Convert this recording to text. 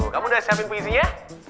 kamu udah siapin puisinya